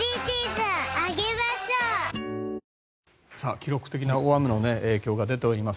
記録的な大雨の影響が出ております。